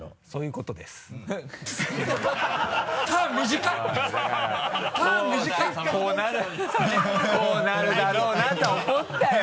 こうなるだろうなと思ったよ